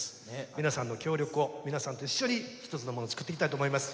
みなさんの協力をみなさんと一緒にひとつのものを作っていきたいと思います。